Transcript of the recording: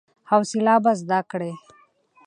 حوصله به زده کړې !